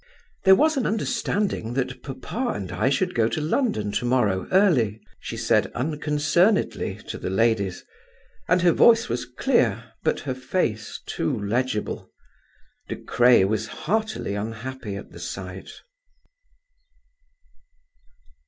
"There was an understanding that papa and I should go to London to morrow early," she said, unconcernedly, to the ladies, and her voice was clear, but her face too legible. De Craye was heartily unhappy at the sight.